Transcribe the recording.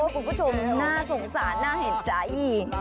คุณผู้ชมน่าสงสารน่าเห็นใจ